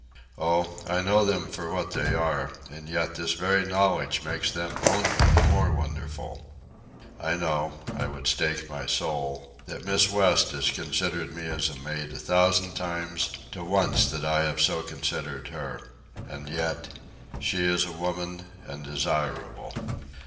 —Oh, I know them for what they are, and yet this very knowledge makes them only the more wonderful. I know—I would stake my soul—that Miss West has considered me as a mate a thousand times to once that I have so considered her. And yet—she is a woman and desirable.